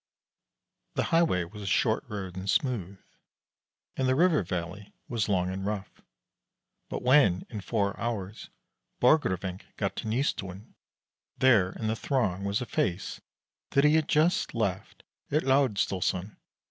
The highway was a short road and smooth, and the river valley was long and rough; but when, in four hours, Borgrevinck got to Nystuen, there in the throng was a face that he had just left at Laersdalsoren.